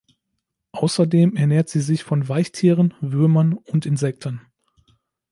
Außerdem ernährt sie sich von Weichtieren, Würmern und Insekten.